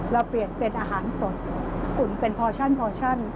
เราเปลี่ยนเป็นอาหารสดอุ่นเป็นพอชั่นพอชัน